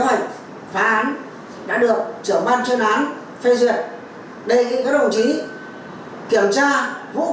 một buổi họp ban chuyên án để triển khai kế hoạch bắt đối tượng